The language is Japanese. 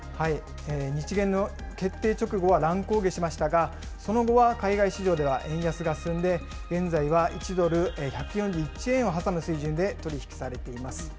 日銀の決定直後は乱高下しましたが、その後は海外市場では円安が進んで、現在は１ドル１４１円を挟む水準で取り引きされています。